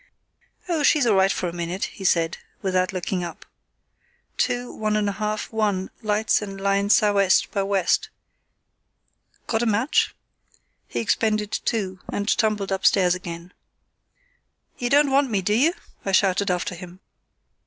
"Oh, she's all right for a minute," he said, without looking up. "Two—one and a half—one—lights in line sou' west by west—got a match?" He expended two, and tumbled upstairs again. "You don't want me, do you?" I shouted after him.